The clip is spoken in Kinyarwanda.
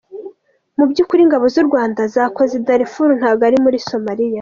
Mu by’ukuri ingabo z’u Rwanda zakoze i Darfur ntago ari muri Somalia.